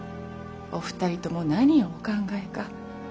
お二人とも何をお考えか